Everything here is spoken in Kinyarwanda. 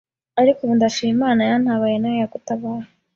ariko ubu ndashima Imana yantabaye, nawe yagutabara.